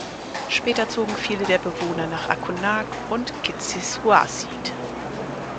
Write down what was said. Später zogen viele der Bewohner nach Akunnaaq und Kitsissuarsuit.